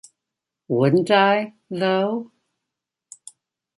Wouldn't I, though?